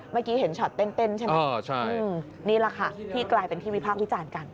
เมื่อกี้เห็นช็อตเต้นใช่ไหมนี่แหละค่ะที่กลายเป็นที่วิพากษ์วิจารณ์กัน